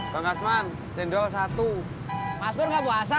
bangas semand fuasa fuasa